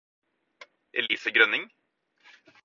Elise Grønning